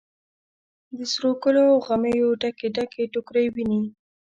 د سروګلو او غمیو ډکې، ډکې ټوکرۍ ویني